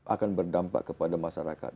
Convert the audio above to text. akan berdampak kepada masyarakat